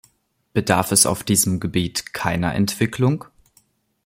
Bedarf es auf diesem Gebiet keiner Entwicklung?